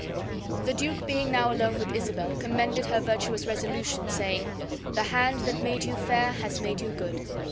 The duke, being now alone with Isabel, commended her virtuous resolution, saying, "The hand that made you fair has made you good."